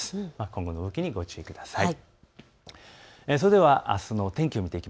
今後の動きにご注意ください。